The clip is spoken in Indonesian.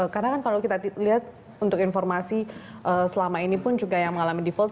karena kan kalau kita lihat untuk informasi selama ini pun juga yang mengalami default